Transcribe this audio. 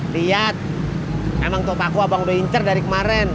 lihat emang tuh paku abang udah winter dari kemarin